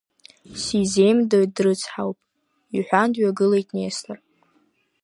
Сизеимдоит, дрыцҳауп, – иҳәан, дҩагылеит Нестор.